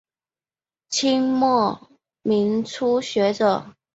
清末民初学者。